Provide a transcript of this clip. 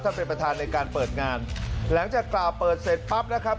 เป็นประธานในการเปิดงานหลังจากกล่าวเปิดเสร็จปั๊บนะครับ